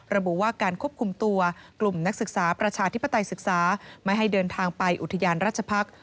ระบุว่าการควบคุมตัวกลุ่มนักศึกษาประชาธิปไตยศึกษาไม่ให้เดินทางไปอุทยานราชพักษ์